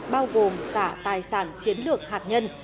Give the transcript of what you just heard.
bao gồm cả tài sản chiến lược hạt nhân